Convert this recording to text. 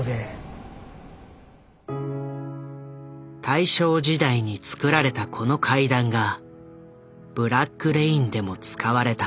大正時代に造られたこの階段が「ブラック・レイン」でも使われた。